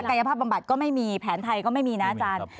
กายภาพบำบัดก็ไม่มีแผนไทยก็ไม่มีนะอาจารย์